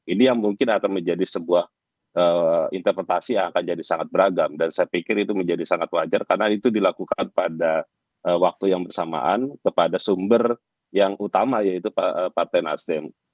ini yang mungkin akan menjadi sebuah interpretasi yang akan jadi sangat beragam dan saya pikir itu menjadi sangat wajar karena itu dilakukan pada waktu yang bersamaan kepada sumber yang utama yaitu partai nasdem